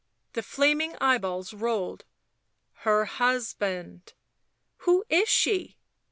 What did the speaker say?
The flaming eyeballs rolled. " Her husband." " Who is she ?"